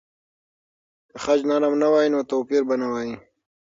که خج نرم نه وای، نو توپیر به نه وای.